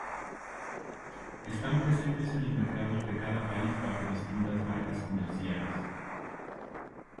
Están presentes en los mercados de cada país bajo distintas marcas comerciales.